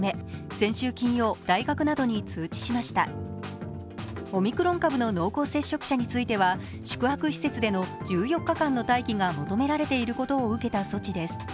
先週金曜、大学などに通知しましたオミクロン株の濃厚接触者については宿泊施設での１４日間の待機が求められていることを受けた措置です。